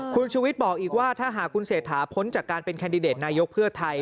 คุณชูวิทย์บอกอีกว่าถ้าหากคุณเศรษฐาพ้นจากการเป็นแคนดิเดตนายกเพื่อไทย